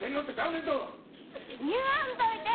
言わんといて！